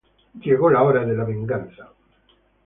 Llegó la hora de la venganza".